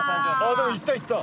でもいったいった。